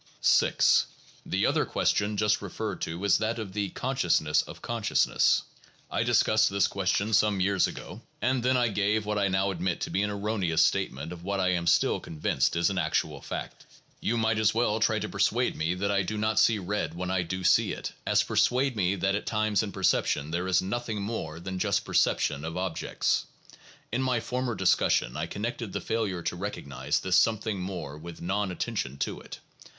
6. The other question just referred to is that of the "con sciousness of consciousness." I discussed this question some 1 Cf. my article, "The 'Eternal Consciousness,' " Mind, N. S., 40 (1901), p. 496. 172 THE PHILOSOPHICAL REVIEW. [Vol. XXI. years ago, and then I gave what I now admit to be an erroneous statement of what I am still convinced is an actual fact. You might as well try to persuade me that I do not see red when I do see it, as persuade me that at times in perception there is nothing more than just perception of objects. In my former discussion I connected the failure to recognize this something more with non attention to it.